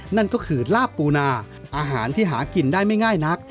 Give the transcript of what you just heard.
นั่นก็คือลาบปูนาอาหารที่หากินได้ไม่ง่ายนัก